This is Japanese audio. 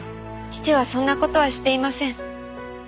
父はそんな事はしていません。